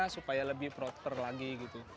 supaya lebih proper lagi gitu